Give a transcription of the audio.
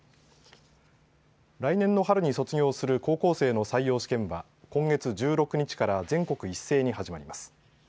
来年の春に卒業する高校生の採用試験は今月１６日から全国一斉に始まります。